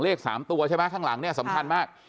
เลข๓ตัวใช่ไหมข้างหลังเนี่ยสำคัญมาก